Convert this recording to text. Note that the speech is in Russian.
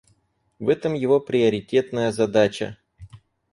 В этом его приоритетная задача.